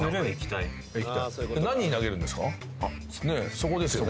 そこですよね。